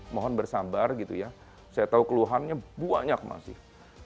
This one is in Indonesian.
mohon bersabar gitu ya saya tahu keluhannya banyak masih